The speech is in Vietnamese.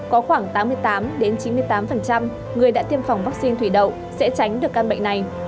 có khoảng tám mươi tám chín mươi tám người đã tiêm phòng vaccine thủy đậu sẽ tránh được căn bệnh này